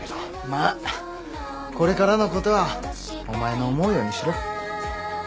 まあこれからのことはお前の思うようにしろ。